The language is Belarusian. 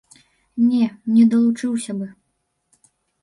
Не, не далучыўся бы.